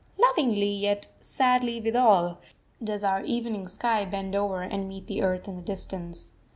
Lovingly, yet sadly withal, does our evening sky bend over and meet the earth in the distance.